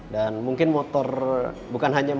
dan mungkin motor bukan hanya motor